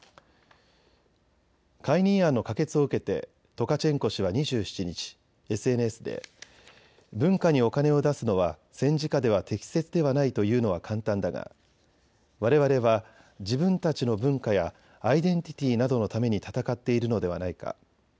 解任案の可決を受けてトカチェンコ氏は２７日、ＳＮＳで文化にお金を出すのは戦時下では適切ではないと言うのは簡単だがわれわれは自分たちの文化やアイデンティティーなどのために戦っているのではないか。